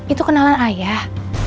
itu kenalan ayah